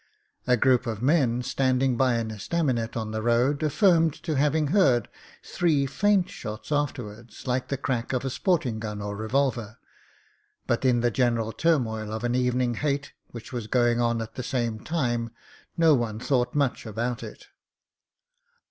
A group of men stand ing by an estaminet on the road affirmed to having heard three faint shots afterwards like the crack of a sporting gun or revolver; but in the general tur moil of an evening hate which was going on at the same time no one thought much about it.